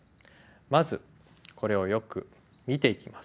まずこれをよく見ていきます。